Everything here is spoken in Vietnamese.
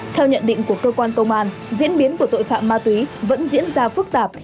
theo nhận định của cơ quan công an diễn biến của tội phạm ma túy vẫn diễn ra phức tạp